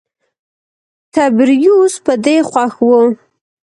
تبریوس په دې خوښ و.